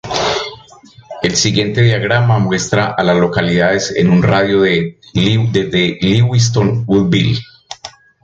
El siguiente diagrama muestra a las localidades en un radio de de Lewiston Woodville.